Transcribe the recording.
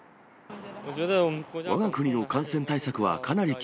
わが国の感染対策はかなり厳